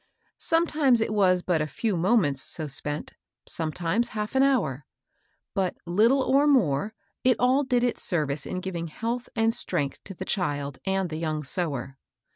Sometimes it was but a few moments so spent, sometimes half an hour; but, little or more, it all did its service in giving health and strength to the child and the young sewer.